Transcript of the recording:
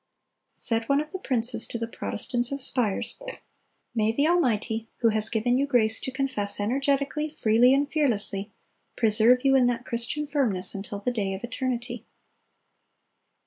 Said one of the princes to the Protestants of Spires, "May the Almighty, who has given you grace to confess energetically, freely, and fearlessly, preserve you in that Christian firmness until the day of eternity."